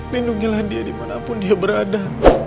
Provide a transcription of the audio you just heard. lindungilah dia dimanapun dia berada